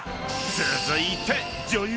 ［続いて女優］